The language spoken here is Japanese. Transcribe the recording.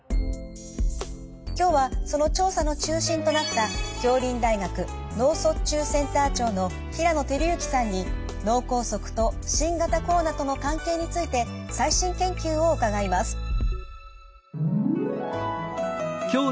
今日はその調査の中心となった杏林大学脳卒中センター長の平野照之さんに脳梗塞と新型コロナとの関係について最新研究を伺います。